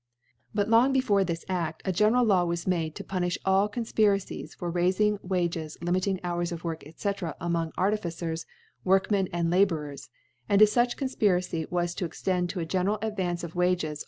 * But lor>g before this A£t, a general Lav^r was made x^ to punifH all Confpiracies for faifmg Wages, Hmiting Hours of Work, 6f^. among Artificers, Wdrkmen^ and La^ bourers •, alnd if fuch Confpiracy wa9 to» extend to a gencraf Advance of Wages ♦ B>.fea.